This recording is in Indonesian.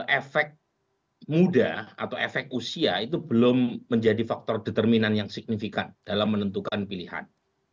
efek muda atau efek usia itu belum menjadi faktor determinan yang signifikan dalam menentukan pilihan